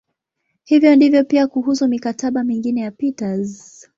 Hivyo ndivyo pia kuhusu "mikataba" mingine ya Peters.